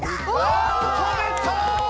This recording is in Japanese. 止めた！